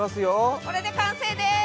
これで完成です！